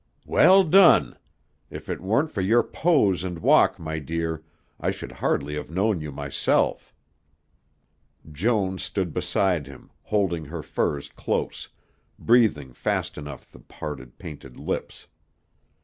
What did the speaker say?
"Well done. If it weren't for your pose and walk, my dear, I should hardly have known you myself." Joan stood beside him, holding her furs close, breathing fast through the parted, painted lips.